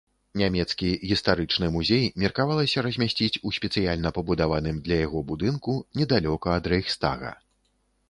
Нямецкі гістарычны музей меркавалася размясціць у спецыяльна пабудаваным для яго будынку недалёка ад рэйхстага.